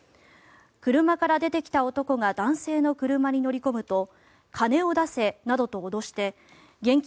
車から出てきた男が男性の車に乗り込むと金を出せなどと脅して現金